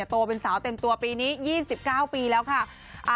โตเป็นสาวเต็มตัวปีนี้๒๙ปีแล้วค่ะ